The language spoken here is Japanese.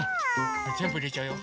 じゃぜんぶいれちゃうよ。